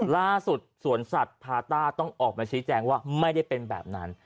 ล่าสุดสวนสัตว์พาต้าต้องออกมาชี้แจงว่าไม่ได้เป็นแบบนั้น